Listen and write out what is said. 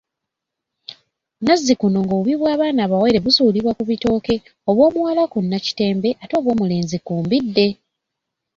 Nazzikuno ng’obubi bw’abaanaa abawere busuulibwa ku bitooke; obw’omuwala ku Nakitembe ate obw’omulenzi ku Mbidde.